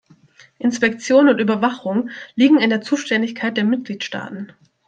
Inspektionen und Überwachung liegen in der Zuständigkeit der Mitgliedstaaten.